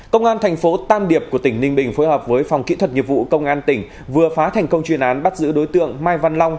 công an thành phố tam điệp của tỉnh ninh bình phối hợp với phòng kỹ thuật nghiệp vụ công an tỉnh vừa phá thành công chuyên án bắt giữ đối tượng mai văn long